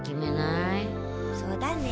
そうだね。